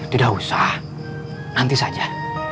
tidak usah nanti saja